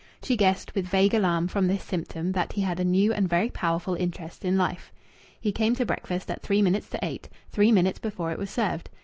She guessed, with vague alarm, from this symptom that he had a new and very powerful interest in life. He came to breakfast at three minutes to eight, three minutes before it was served.